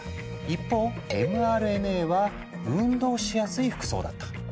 一方ｍＲＮＡは運動しやすい服装だった。